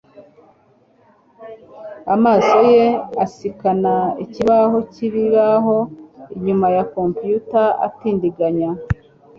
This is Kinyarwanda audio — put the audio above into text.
amaso ye asikana ikibaho cyibibaho inyuma ya compteur atindiganya